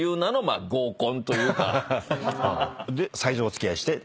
で最初お付き合いして。